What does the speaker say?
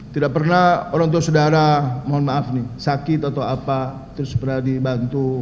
tidak pernah orang tua saudara mohon maaf nih sakit atau apa terus pernah dibantu